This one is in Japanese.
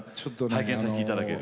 拝見させていただける。